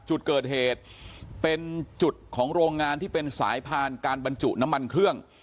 จุดเกิดเหตุเป็นจุดของโรงงานที่เป็นสายพานการบรรจุน้ำมันเครื่อง